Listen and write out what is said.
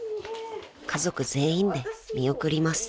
［家族全員で見送ります］